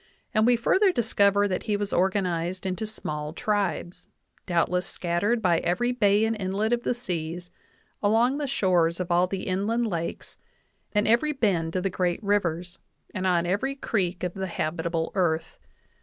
... And we further discover that he was organized into small tribes, doubtless scattered by every bay and inlet of the seas, along the shores of all the inland lakes, and every bend of the great rivers, and on every creek of the habitable earth.